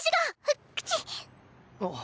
あっ。